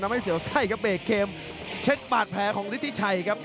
นำให้เสียวไส้กับเปรกเกมเช็คบาดแพ้ของลิธิชัยครับ